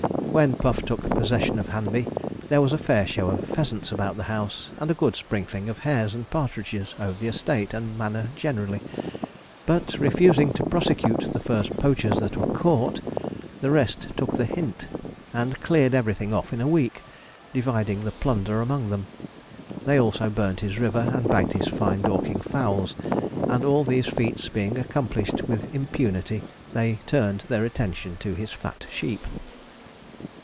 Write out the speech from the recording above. When Puff took possession of Hanby there was a fair show of pheasants about the house, and a good sprinkling of hares and partridges over the estate and manor generally; but refusing to prosecute the first poachers that were caught, the rest took the hint, and cleared everything off in a week, dividing the plunder among them. They also burnt his river and bagged his fine Dorking fowls, and all these feats being accomplished with impunity, they turned their attention to his fat sheep.